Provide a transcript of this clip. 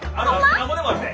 なんぼでもあるで。